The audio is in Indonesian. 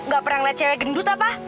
gak pernah ngeliat cewek gendut apa